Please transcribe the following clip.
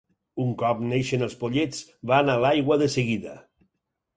Un cop neixen els pollets van a l'aigua de seguida.